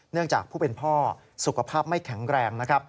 เนื่องจากผู้เป็นพ่อสุขภาพไม่แข็งแรง